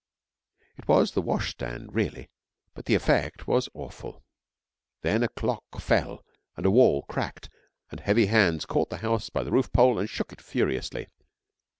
It was the washstand really but the effect was awful. Then a clock fell and a wall cracked, and heavy hands caught the house by the roof pole and shook it furiously.